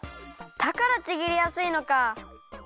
だからちぎりやすいのか！